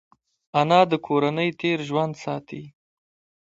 انا د کورنۍ تېر ژوند ساتي